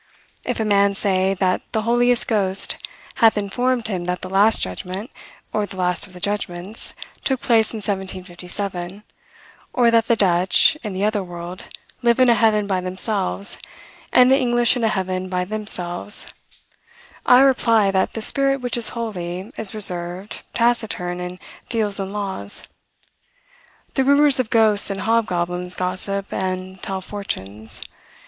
If a man say, that the Holy Ghost hath informed him that the Last Judgment (or the last of the judgments) took place in 1757; or, that the Dutch, in the other world, live in a heaven by themselves, and the English in a heaven by themselves; I reply, that the Spirit which is holy, is reserved, taciturn, and deals in laws. The rumors of ghosts and hobgoblins gossip and tell fortunes.